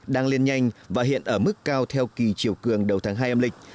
đang lên nhanh và hiện ở mức cao theo kỳ chiều cường đầu tháng hai âm lịch